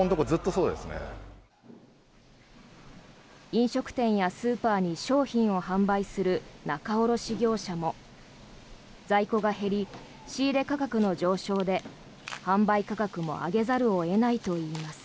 飲食店やスーパーに商品を販売する仲卸業者も在庫が減り、仕入れ価格の上昇で販売価格も上げざるを得ないといいます。